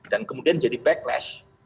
dan kemudian jadi backlash